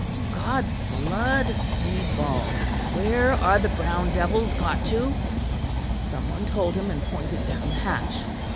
'God's blood,' he bawled, 'where are the brown devils got to?' Some one told him, and pointed down the hatch.